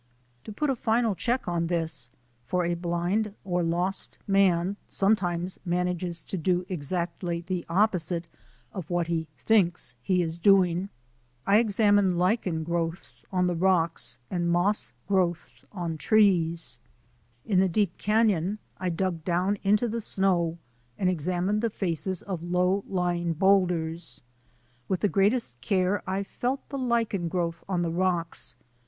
To put a final check upon this — for a blind or lost man sometimes manages to do exactly the op posite of what he thinks he is doing — I examined lichen growths on the rocks and moss growths on SNOW BLINDED ON THE SUMMIT 9 the trees. In the deep canon I dug down into the snow and examined the faces of low lying boulders. With the greatest care I felt the lichen growth on the rocks.